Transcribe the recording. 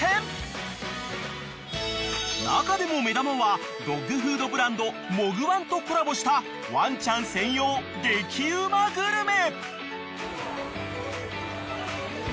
［中でも目玉はドッグフードブランドモグワンとコラボしたワンちゃん専用激うまグルメ］